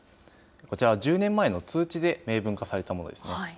こちらは１０年前の通知で明文化されたものですね。